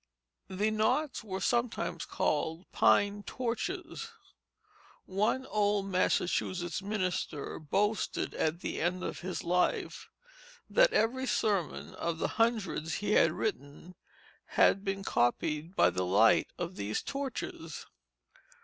The knots were sometimes called pine torches. One old Massachusetts minister boasted at the end of his life that every sermon of the hundreds he had written, had been copied by the light of these torches.